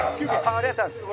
ありがとうございます。